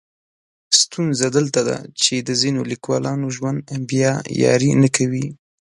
ستونزه دلته ده چې د ځینو لیکولانو ژوند بیا یاري نه کوي.